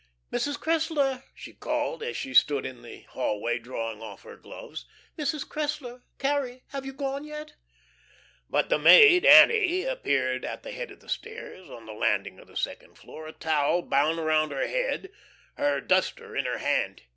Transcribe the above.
"Mrs. Cressler!" she called, as she stood in the hallway drawing off her gloves. "Mrs. Cressler! Carrie, have you gone yet?" But the maid, Annie, appeared at the head of the stairs, on the landing of the second floor, a towel bound about her head, her duster in her hand.